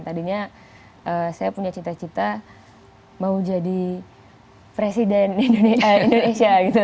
tadinya saya punya cita cita mau jadi presiden indonesia gitu